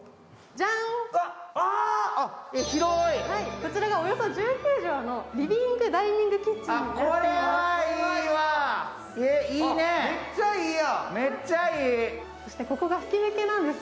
こちらがおよそ１９畳のリビングダイニングキッチンです。